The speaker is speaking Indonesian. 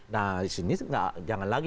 nah disini jangan lagi